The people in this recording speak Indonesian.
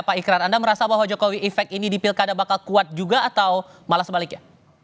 pak ikrar anda merasa bahwa jokowi efek ini di pilkada bakal kuat juga atau malah sebaliknya